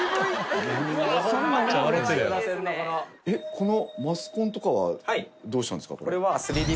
このマスコンとかはどうしたんですか？